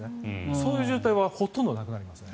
そういう渋滞はほとんどなくなります。